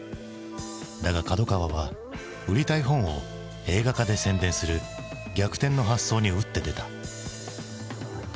だが角川は売りたい本を映画化で宣伝する逆転の発想に打って出た。